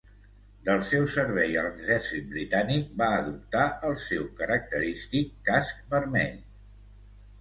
Del seu servei a l'exèrcit britànic, va adoptar el seu característic casc vermell.